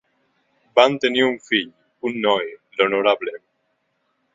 Van tenir un fill, un noi, l'Honorable